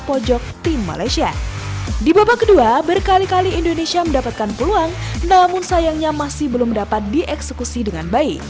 pemain tim malaysia berkali kali mendapatkan peluang namun sayangnya masih belum dapat dieksekusi dengan baik